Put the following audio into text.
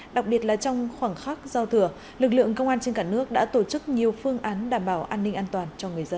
đặc biệt là trong khoảng khắc giao thừa lực lượng công an trên cả nước đã tổ chức nhiều phương án đảm bảo an ninh an toàn cho người dân